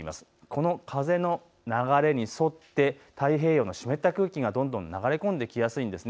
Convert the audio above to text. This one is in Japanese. この風の流れに沿って太平洋の湿った空気がどんどん流れ込んできやすいんです。